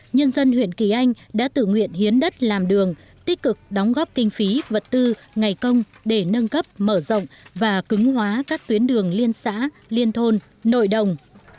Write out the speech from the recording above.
nhân dân huyện kỳ anh đã tự nguyện hiến đất làm đường tích cực đóng góp kinh phí vật tư ngày công để nâng cấp mở rộng và cứng hóa các tuyến đường liên xã liên thôn nội đồng